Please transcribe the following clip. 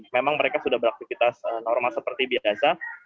memang mereka sudah beraktivitas normal seperti biasa